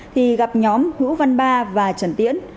thì gặp nhóm hữu văn ba và trần tiễn